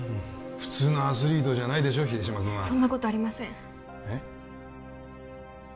普通のアスリートじゃないでしょ秀島君はそんなことありませんえっ？